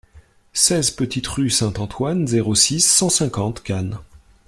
seize petite Rue Saint-Antoine, zéro six, cent cinquante, Cannes